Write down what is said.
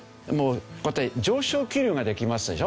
こうやって上昇気流ができますでしょ？